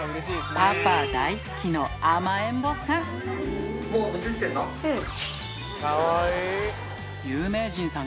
パパ大好きの甘えん坊さん。